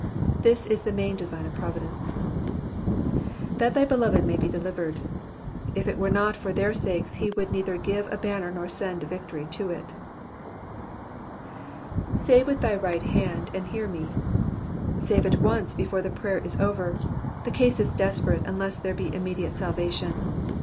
This is the main design of providence, ''^That thy beloved may be delivered;'''* if it were not for their sakes he would neither give a banner nor send victory to it. ''''Save with thy right hand, and hear f7i#." Save at once, before the prayer is over ; the case is desperate unless Digitized by VjOOQIC PSALK THE SIXTIETH. 98 there be immediate salvation.